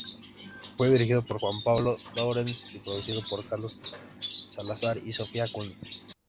Fue dirigido por Juan Pablo Lawrence y producido por Carlos Salazar y Sofía Acuña.